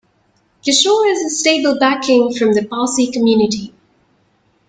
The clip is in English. Kishore as a stable backing from the Pasi community.